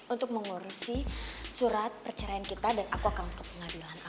untuk mengurusi surat perceraian kita dan aku akan ke pengadilan